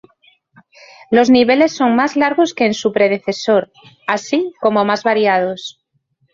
Los niveles son más largos que en su predecesor, así como más variados.